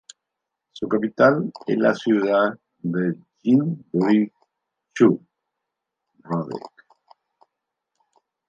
Su capital es la ciudad de Jindřichův Hradec.